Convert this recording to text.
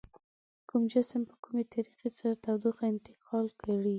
کوم جسم په کومې طریقې سره تودوخه انتقال کړي؟